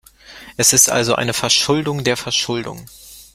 Es ist also eine Verschuldung der Verschuldung.